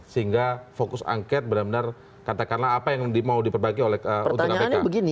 sehingga fokus angket benar benar katakanlah apa yang mau diperbaiki untuk kpk